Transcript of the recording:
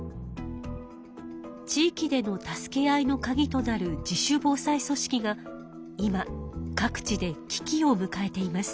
地域での助け合いのカギとなる自主防災組織が今各地でき機をむかえています。